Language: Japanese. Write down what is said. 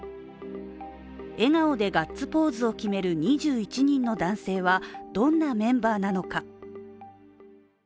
笑顔でガッツポーズを決める２１人の男性はどんなメンバーなのか。